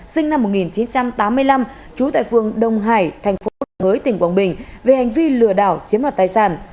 sinh năm một nghìn chín trăm tám mươi năm trú tại phường đông hải thành phố đồng hới tỉnh quảng bình về hành vi lừa đảo chiếm đoạt tài sản